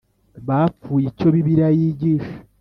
bapfuye Icyo Bibiliya yigisha